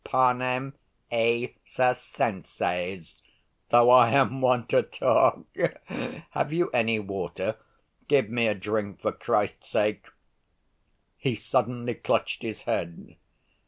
Panem et circenses. Though I am one to talk! Have you any water? Give me a drink for Christ's sake!" He suddenly clutched his head.